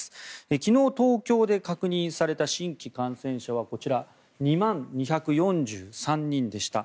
昨日、東京で確認された新規感染者はこちら、２万２４３人でした。